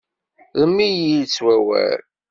Rrem-iyi-d s wawal.